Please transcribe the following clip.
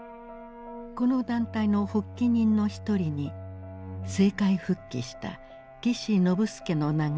この団体の発起人の一人に政界復帰した岸信介の名があった。